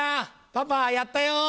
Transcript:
パパやったよ！